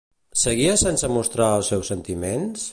Seguia sense mostrar els seus sentiments?